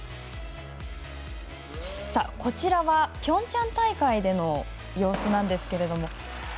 こちらはピョンチャン大会での様子なんですけれども。